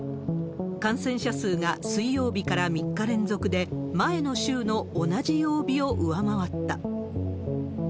感染者数が水曜日から３日連続で前の週の同じ曜日を上回った。